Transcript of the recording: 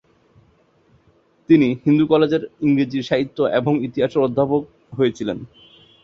তিনি হিন্দু কলেজের ইংরেজি সাহিত্য এবং ইতিহাসের অধ্যাপক হয়েছিলেন।